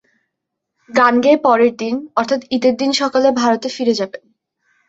গান গেয়ে পরের দিন অর্থাৎ ঈদের দিন সকালে ভারতে ফিরে যাবেন।